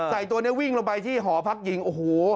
ตัวนี้วิ่งลงไปที่หอพักหญิงโอ้โห